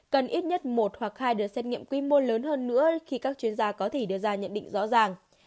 cần ít nhất một hoặc hai đợt xét nghiệm quy mô lớn hơn nữa khi các chuyên gia có thể đưa ra nhận định rõ ràng